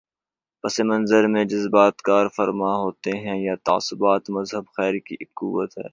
پس منظر میں جذبات کارفرما ہوتے ہیں یا تعصبات مذہب خیر کی ایک قوت ہے۔